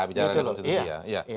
bicara konstitusi ya